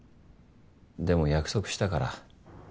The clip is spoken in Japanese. でも約束したから。